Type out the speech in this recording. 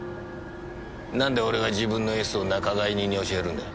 なんで俺が自分のエスを仲買人に教えるんだ？